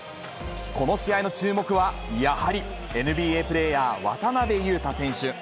この試合の注目は、やはりＮＢＡプレーヤー、渡邊雄太選手。